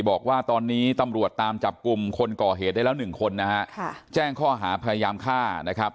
บอกว่าตอนนี้ตำรวจตามจับกลุ่มคนก่อเหตุได้แล้วหนึ่งคนนะฮะค่ะแจ้งข้อหาพยายามฆ่านะครับ